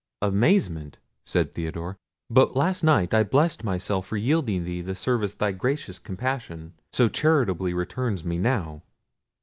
"Amazement!" said Theodore; "but last night I blessed myself for yielding thee the service thy gracious compassion so charitably returns me now."